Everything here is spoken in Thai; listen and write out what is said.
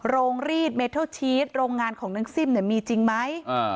โรงรีดเมทัลชีสโรงงานของนางซิ้มเนี่ยมีจริงไหม